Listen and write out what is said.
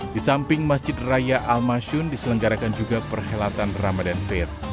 di samping masjid raya al masyun diselenggarakan juga perhelatan ramadan fir